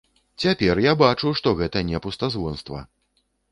Цяпер я бачу, што гэта не пустазвонства!